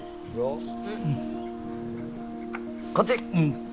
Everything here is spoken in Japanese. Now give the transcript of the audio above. こっち！